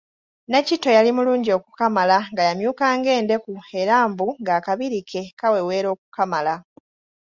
Nakitto yali mulungi okukamala nga yamyuka ng'endeku era mbu ng'akabiri ke kaweweera okukamala.